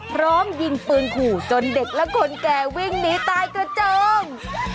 พร้อมยิงปืนขู่จนเด็กและคนแก่วิ่งหนีตายกระเจิง